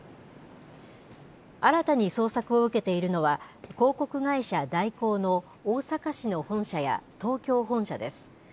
新たに捜索を受けているのは、広告会社、大広の大阪市の本社や東京本社です。